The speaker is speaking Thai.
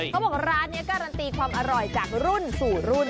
เขาบอกร้านนี้การันตีความอร่อยจากรุ่นสู่รุ่น